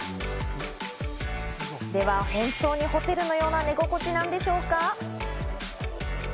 では本当にホテルのような寝心地なんでしょうか。